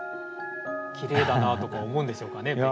「きれいだな」とか思うんでしょうかね